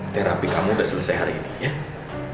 terapi kamu sudah selesai hari ini ya